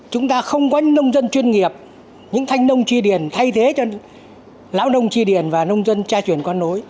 chúng ta không có nông dân chuyên nghiệp những thanh nông tri điển thay thế cho lão nông tri điển và nông dân tra chuyển con nối